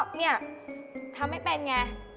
แล้วก็เนี่ยทำไม่เป็นไง